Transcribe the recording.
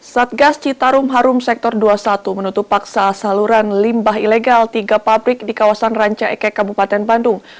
satgas citarum harum sektor dua puluh satu menutup paksa saluran limbah ilegal tiga pabrik di kawasan ranca ekek kabupaten bandung